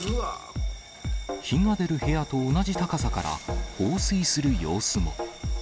火が出る部屋と同じ高さから、放水する様子も。